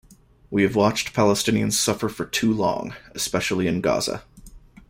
We have watched Palestinians suffer for too long, especially in Gaza.